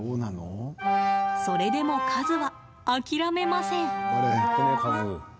それでも、和は諦めません。